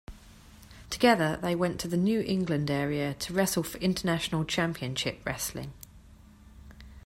Together, they went to the New England area to wrestle for International Championship Wrestling.